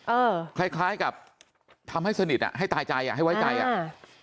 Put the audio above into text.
เออคล้ายคล้ายกับทำให้สนิทอ่ะให้ตายใจอ่ะให้ไว้ใจอ่ะอ่า